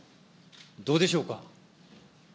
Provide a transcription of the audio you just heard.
どうでしょうか。